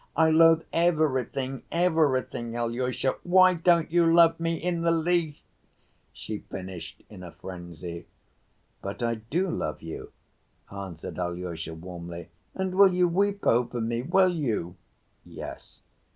I loathe everything, everything. Alyosha, why don't you love me in the least?" she finished in a frenzy. "But I do love you!" answered Alyosha warmly. "And will you weep over me, will you?" "Yes."